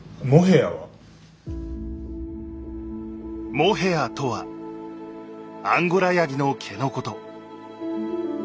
モヘアとはアンゴラやぎの毛のこと。